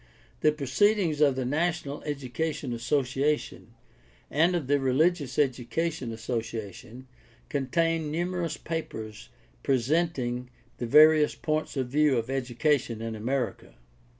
The proceedings of the National Education Association and of the Religious Education Association con tain numerous papers presenting the various points of view of education in America.